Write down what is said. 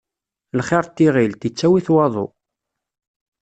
Lxiṛ n tiɣilt, ittawi-t waḍu.